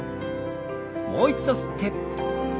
もう一度吸って吐いて。